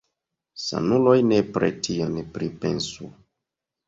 Sanuloj nepre tion pripensu.